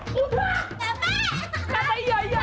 setia dengan fella